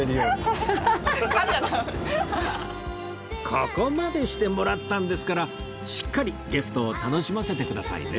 ここまでしてもらったんですからしっかりゲストを楽しませてくださいね